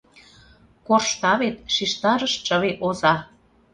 Коршта вет! — шижтарыш чыве оза.